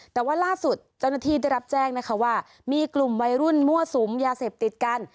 แต่ว่าล่าสุดเจ้าหน้าที่ได้รับแจ้งนะคะว่ามีกลุ่มวัยรุ่นมั่วสุมยาเสพติดกัน